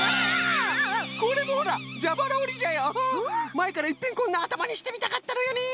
まえからいっぺんこんなあたまにしてみたかったのよね。